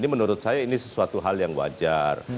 ini menurut saya ini sesuatu hal yang wajar